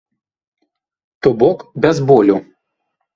То бок без болю.